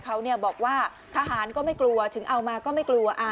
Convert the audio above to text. เขาบอกว่าทหารก็ไม่กลัวถึงเอามาก็ไม่กลัว